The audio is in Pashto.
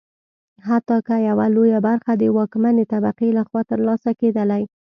حتی که یوه لویه برخه د واکمنې طبقې لخوا ترلاسه کېدلی.